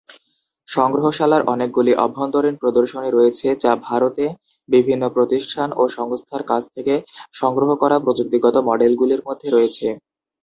সংগ্রহশালার অনেকগুলি অভ্যন্তরীণ প্রদর্শনী রয়েছে যা ভারতে বিভিন্ন প্রতিষ্ঠান ও সংস্থার কাছ থেকে সংগ্রহ করা প্রযুক্তিগত মডেলগুলির মধ্যে রয়েছে।